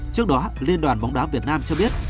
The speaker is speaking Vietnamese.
trước đó liên đoàn bóng đá việt nam cho biết